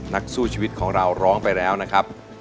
นักสู้ชีวิตของเราร้องไปแล้วนะครับ